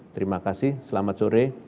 terima kasih selamat sore